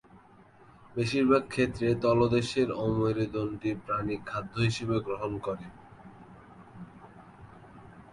বেশিরভাগ ক্ষেত্রে তলদেশের অমেরুদণ্ডী প্রাণী খাদ্য হিসাবে গ্রহণ করে।